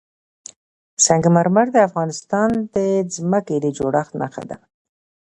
سنگ مرمر د افغانستان د ځمکې د جوړښت نښه ده.